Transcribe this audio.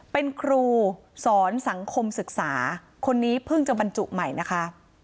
เป็นครูสอนสังคมศึกษาคนนี้เพิ่งจะบรรจุใหม่นะคะ